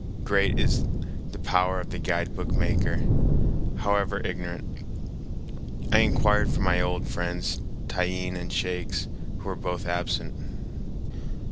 Great is the power of the guidebook maker, however ignorant. I inquired for my old friends Tyeen and Shakes, who were both absent.